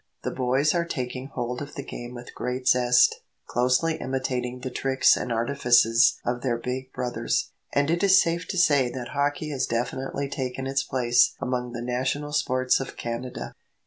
The boys are taking hold of the game with great zest, closely imitating the tricks and artifices of their big brothers, and it is safe to say that hockey has definitely taken its place among the national sports of Canada.